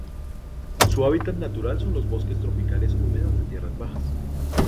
Su hábitat natural son los bosques tropicales húmedos de tierras bajas.